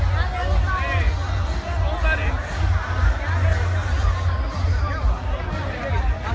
นี่เป็นเช็คผสมงุมสองคน